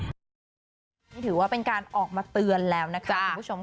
นี่ถือว่าเป็นการออกมาเตือนแล้วนะคะคุณผู้ชมค่ะ